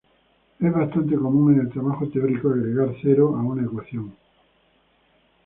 Es bastante común en el trabajo teórico agregar cero a una ecuación.